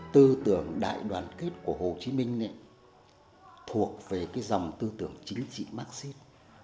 tư tưởng đại đoàn kết của hồ chí minh thuộc về cái dòng tư tưởng chính trị marxist